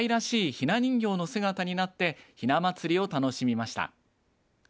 ひな人形の姿になってひな祭りを楽しみました。